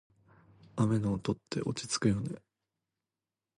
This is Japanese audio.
雨の音って落ち着くよね。